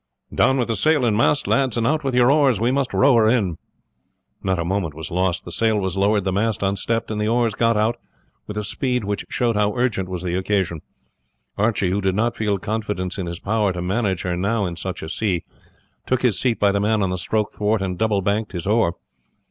"Down with the sail and mast, lads, and out with your oars; we must row her in." Not a moment was lost, the sail was lowered, the mast unstepped, and the oars got out, with a speed which showed how urgent was the occasion. Archie, who did not feel confidence in his power to manager her now in such a sea, took his seat by the man on the stroke thwart, and double banked his oar.